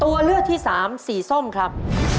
ตัวเลือกที่สามสีส้มครับ